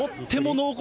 濃厚！